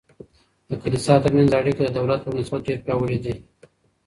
د کلیسا ترمنځ اړیکې د دولت په نسبت ډیر پیاوړي دي.